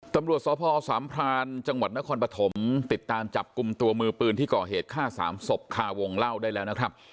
ตำรวจสพสามพรานจังหวัดนครปฐมติดตามจับกลุ่มตัวมือปืนที่ก่อเหตุฆ่าสามศพคาวงเล่าได้แล้วนะครับ